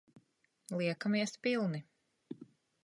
Liekamies pilni.